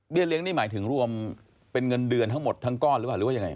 เบี้ยเลี้ยงนี่หมายถึงรวมเป็นเงินเดือนทั้งหมดทั้งก้อนหรือว่าอย่างไร